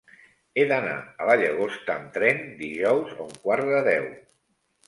He d'anar a la Llagosta amb tren dijous a un quart de deu.